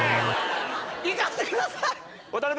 行かせてください！